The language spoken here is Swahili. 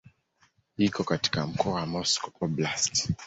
Iko katika mkoa wa Moscow Oblast.